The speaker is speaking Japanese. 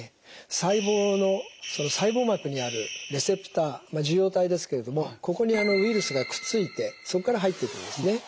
細胞の細胞膜にあるレセプター受容体ですけれどもここにウイルスがくっついてそこから入ってくるんですね。